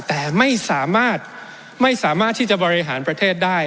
แต่ไม่สามารถไม่สามารถที่จะบริหารประเทศได้